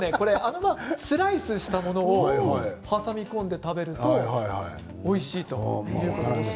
スライスしたものを挟み込んで食べるとおいしいということです。